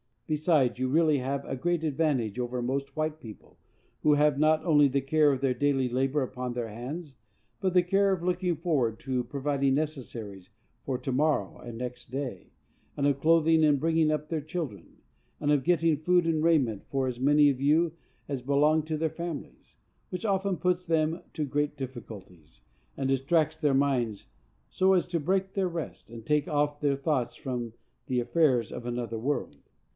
Besides, you really have a great advantage over most white people, who have not only the care of their daily labor upon their hands, but the care of looking forward and providing necessaries for to morrow and next day, and of clothing and bringing up their children, and of getting food and raiment for as many of you as belong to their families, which often puts them to great difficulties, and distracts their minds so as to break their rest, and take off their thoughts from the affairs of another world.